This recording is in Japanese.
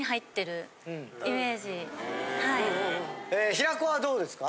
平子はどうですか？